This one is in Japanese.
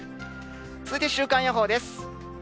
続いて週間予報です。